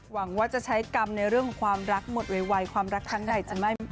หวังว่าจะใช้กรรมในเรื่องของความรักหมดไว